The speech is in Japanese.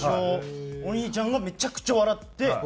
お兄ちゃんがめちゃくちゃ笑って。